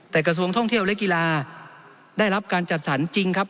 แต่กระทรวงท่องเที่ยวและกีฬาได้รับการจัดสรรจริงครับ